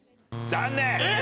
残念！